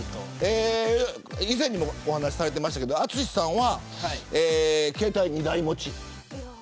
以前にもお話されてましたが淳さんは携帯２台持ち。